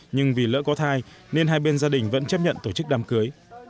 nhưng vì lỡ có thai nên hai bên gia đình vẫn chấp nhận tổ chức đám cưới